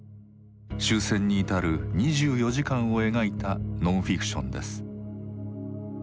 終戦に至る２４時間を描いたノンフィクションです。